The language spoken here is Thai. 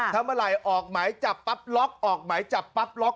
ทั้งเมื่อไหร่ออกใหม่จับปั๊บล๊อค